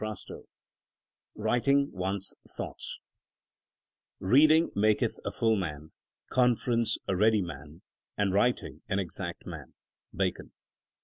VIII WEITING ONE^S THOUGHTS Reading maketh a full man, conference a ready man, and writing an exact man. — Bacon.